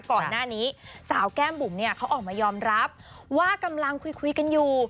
ก่อนหน้านี้สาวแก้มบุ๋มเนี่ยเขาออกมายอมรับว่ากำลังคุยกันอยู่